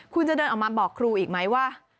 คุณจะเดินออกมาบอกครูอีกไหมว่า